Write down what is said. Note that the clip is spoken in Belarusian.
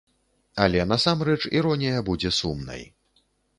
Але насамрэч іронія будзе сумнай.